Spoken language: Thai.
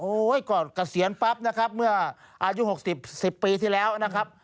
โอ้เห้ยก็เกษียณปั๊บเมื่ออายุ๖๐๑๐ปีที่แล้วนะครับ